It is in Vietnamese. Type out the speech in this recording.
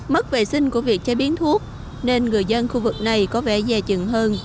mất vệ sinh của việc chế biến thuốc nên người dân khu vực này có vẻ dè chừng hơn